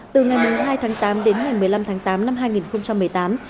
từ ngày hai tháng tám đến ngày một mươi năm tháng tám năm hai nghìn một mươi tám